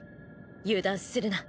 油断するな。